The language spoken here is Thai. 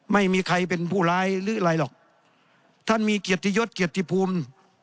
ไม่มีใครเป็นผู้ร้ายหรืออะไรหรอกท่านมีเกียรติยศเกียรติภูมิ